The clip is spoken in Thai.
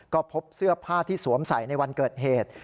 ก็พบเสื้อผ้าที่สวมใส่ในวันเกิดเหตุ